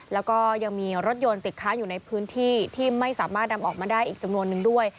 แล้วก็ยังมีรถยนต์ติดค้างอยู่ในพื้นที่ที่ไม่สามารถนำออกมาได้อีกจำนวนนึงด้วย